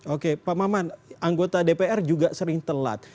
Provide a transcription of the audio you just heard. oke pak maman anggota dpr juga sering telat